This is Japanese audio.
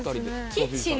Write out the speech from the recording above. キッチン！